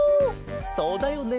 そうだよね